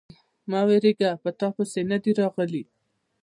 _مه وېرېږه، په تاپسې نه دي راغلی.